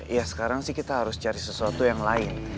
ya sekarang sih kita harus cari sesuatu yang lain